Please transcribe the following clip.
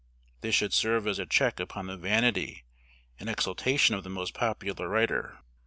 This should serve as a check upon the vanity and exultation of the most popular writer.